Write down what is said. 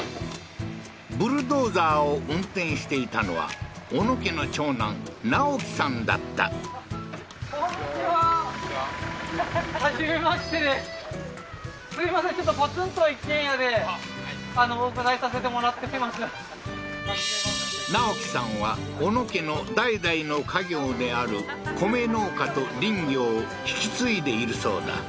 ブルドーザーを運転していたのは小野家の長男直樹さんだった直樹さんは小野家の代々の家業である米農家と林業を引き継いでいるそうだ